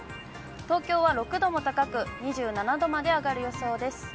東京は６度も高く、２７度まで上がる予想です。